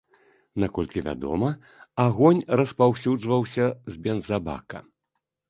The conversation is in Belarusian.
Наколькі вядома, агонь распаўсюджваўся з бензабака.